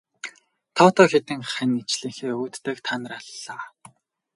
Тоотой хэдэн хань ижлийнхээ өөдтэйг та нар аллаа.